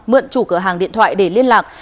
mượn chủ cửa hàng điện thoại để liên lạc